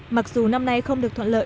mặc dù năm nay không được thuận lợi